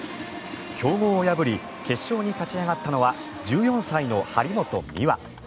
強豪を破り決勝に勝ち上がったのは１４歳の張本美和。